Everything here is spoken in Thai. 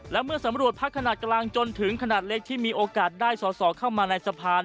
และเมื่อสำรวจพักขนาดกลางจนถึงขนาดเล็กที่มีโอกาสได้สอสอเข้ามาในสะพาน